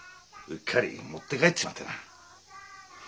うっかり持って帰っちまってな。